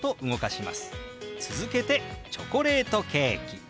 続けて「チョコレートケーキ」。